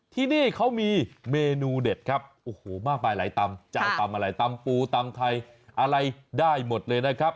ที่นี่เขามีเมนูเด็ดครับโอ้โหมากมายหลายตำจะเอาตำอะไรตำปูตำไทยอะไรได้หมดเลยนะครับ